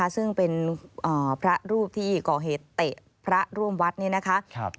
ซึ่งเป็นพระรูปที่ก่อเหตุเตะพระร่วมวัดนี่นะคะ